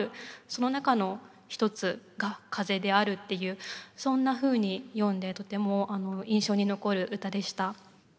その中の一つが風であるっていうそんなふうに読んでとても印象に残る歌でした。